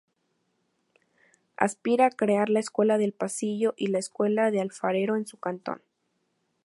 Aspira crear la Escuela del Pasillo y la Escuela del Alfarero en su cantón.